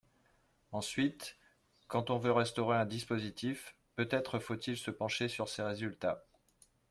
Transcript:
Ensuite, quand on veut restaurer un dispositif, peut-être faut-il se pencher sur ses résultats.